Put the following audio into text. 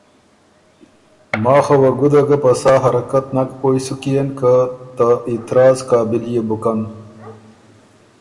ماخه وه ګُده ګۀ په سا حرکت نک پوی سُک يېن که ته اعتراض قابل يې بُکن۔